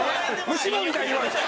虫歯みたいに言われた。